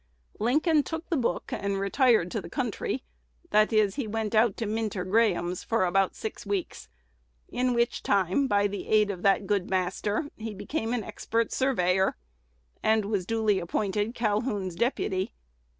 Lincoln took the book, and "retired to the country;" that is, he went out to Minter Graham's for about six weeks, in which time, by the aid of that good master, he became an expert surveyor, and was duly appointed Calhoun's deputy.